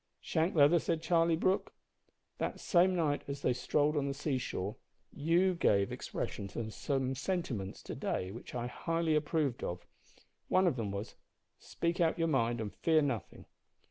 "Shank Leather," said Charlie Brooke, that same night as they strolled on the sea shore, "you gave expression to some sentiments to day which I highly approved of. One of them was `Speak out your mind, and fear nothing!'